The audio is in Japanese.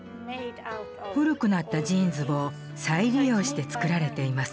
古くなったジーンズを再利用して作られています。